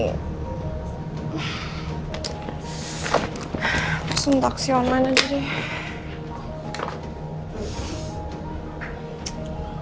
pesan taksionan aja deh